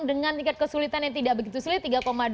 dengan tingkat kesulitan yang tidak begitu sulit tiga dua puluh empat